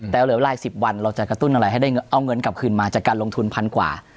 แต่เหลือเวลา๑๐วันเราจะกระตุ้นอะไรให้ได้เอาเงินกลับคืนมาจากการลงทุนพันกว่า